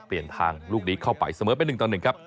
เปลี่ยนทางลูกนี้เข้าไปเสมอไป๑ต่อ๑ครับ